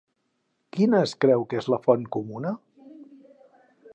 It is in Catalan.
Quina es creu que és la font comuna?